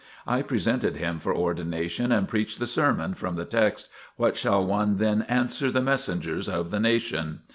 I presented him for ordination and preached the sermon, from the text: "What shall one then answer the messengers of the nation?